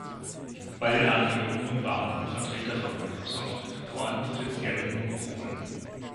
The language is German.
Bei den Anhörungen warnten Vertreter von Microsoft vor einem potenziellen Monopol.